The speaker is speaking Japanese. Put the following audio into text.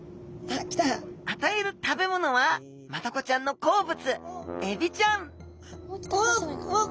あたえる食べ物はマダコちゃんの好物エビちゃんおっ！